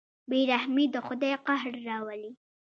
بېرحمي د خدای قهر راولي.